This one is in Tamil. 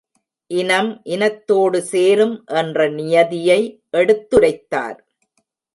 இனம் இனத்தோடு சேரும் என்ற நியதியை எடுத்துரைத்தார்.